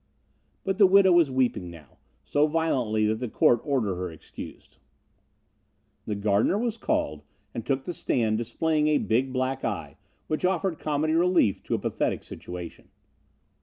But the widow was weeping now, so violently that the court ordered her excused. The gardener was called and took the stand displaying a big, black eye, which offered comedy relief to a pathetic situation.